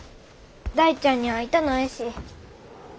大ちゃんに会いたないし。